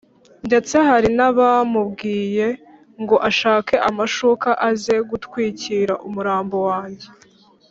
Ndetse hari n abamubwiye ngo ashake amashuka aze gutwikira umurambo wanjye